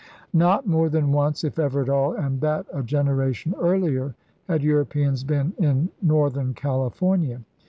Not more than once, if ever at all, and that a generation earlier, had Europeans been in northern California.